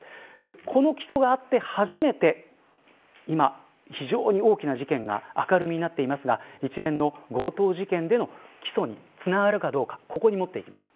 この起訴があって、初めて今、非常に大きな事件が明るみになっていますが一連の強盗事件での起訴につながるかどうかここにもっていきます。